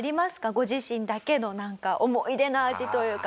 ご自身だけの思い出の味というか。